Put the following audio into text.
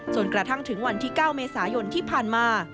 จนกระทั่งถึงวันที่๙เมษายนที่ผ่านมา